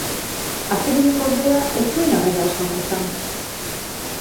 Azken honek ordea ez zuen harrera oso ona izan.